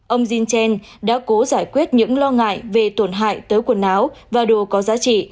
ông jin chan đã cố giải quyết những lo ngại về tổn hại tới quần áo và đồ có giá trị